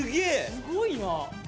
すごいな！